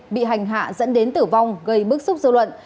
bị hành hạ dẫn đến tử vong gây bức xúc dư luận